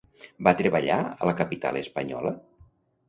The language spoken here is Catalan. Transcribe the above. Va treballar a la capital espanyola?